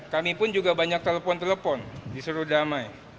kami pun juga banyak telepon telepon di seru damai